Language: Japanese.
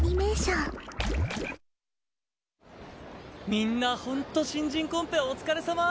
みんなホント新人コンペお疲れさま！